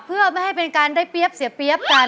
เพื่อไม่ให้เป็นการได้เปี๊ยบเสียเปี๊ยบกัน